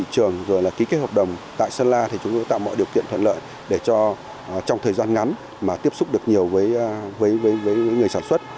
trường rồi là ký kết hợp đồng tại sơn la thì chúng tôi tạo mọi điều kiện thuận lợi để cho trong thời gian ngắn mà tiếp xúc được nhiều với người sản xuất